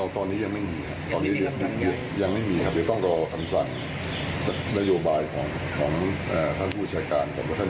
ทุกคนก็คิดอย่างนั้นแหละว่า